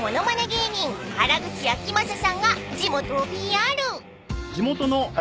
芸人原口あきまささんが地元をＰＲ］